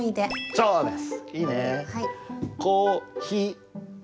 そうです。